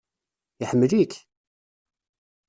Iḥemmel-ik!